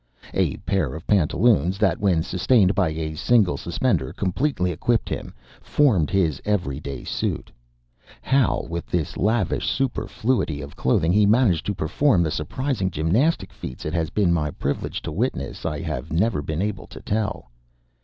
A pair of pantaloons, that, when sustained by a single suspender, completely equipped him, formed his every day suit. How, with this lavish superfluity of clothing, he managed to perform the surprising gymnastic feats it has been my privilege to witness, I have never been able to tell.